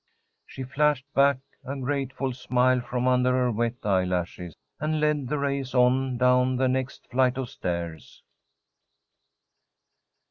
She flashed back a grateful smile from under her wet eyelashes, and led the race on down the next flight of stairs.